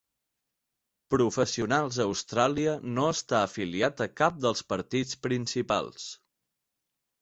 Professionals Australia no està afiliat a cap dels partits principals.